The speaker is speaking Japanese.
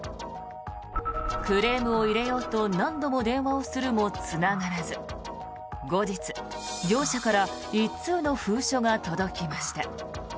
クレームを入れようと何度も電話をするもつながらず後日、業者から１通の封書が届きました。